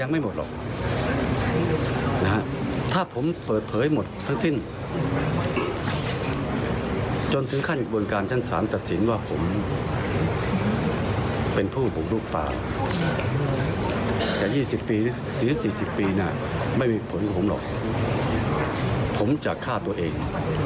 ไม่มีผลของผมหรอกผมจะฆ่าตัวเอง